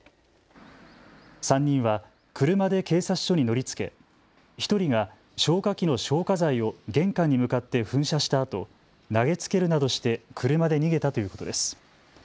３人は車で警察署に乗りつけ１人が消火器の消火剤を玄関に向かって噴射したあと投げつけるなどして車で逃げたということです。